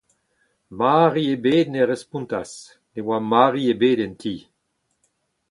Mari ebet ne respontas. Ne oa Mari ebet en ti.